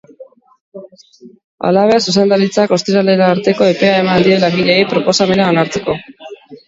Halaber, zuzendaritzak ostiralera arteko epea eman die langileei proposamena onartzeko.